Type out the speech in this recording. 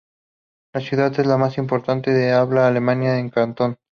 La ciudad es la más importante de habla alemana del cantón.